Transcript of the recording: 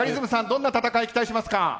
どんな戦い、期待しますか。